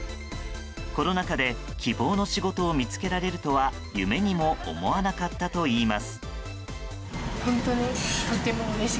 コロナ禍で希望の仕事を見つけられるとは夢にも思わなかったといいます。